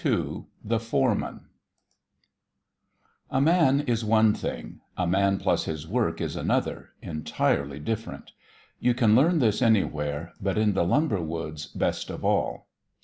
II THE FOREMAN A man is one thing: a man plus his work is another, entirely different. You can learn this anywhere, but in the lumber woods best of all.